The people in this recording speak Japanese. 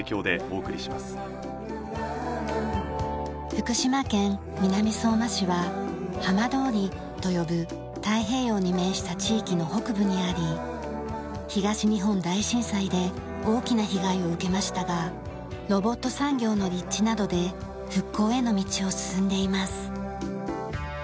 福島県南相馬市は「浜通り」と呼ぶ太平洋に面した地域の北部にあり東日本大震災で大きな被害を受けましたがロボット産業の立地などで復興への道を進んでいます。